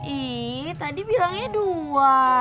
ih tadi bilangnya dua